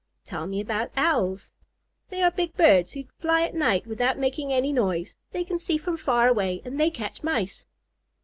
"Tell me about Owls." "They are big birds who fly by night without making any noise. They can see from far away, and they catch Mice."